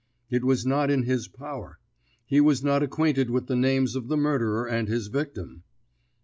"It was not in his power. He was not acquainted with the names of the murderer and his victim."